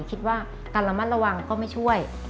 คิดว่าการระมัดระวังก็ไม่ช่วย